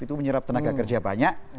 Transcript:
itu menyerap tenaga kerja banyak